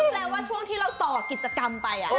แปลว่าช่วงที่เราต่อกิจกรรมไป